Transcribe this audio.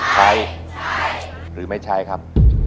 ใช้หรือไม่ใช้ครับ